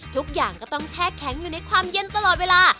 ทุกอย่างก็ต้องแช่แข็งอยู่ในความเย็นตลอดเวลา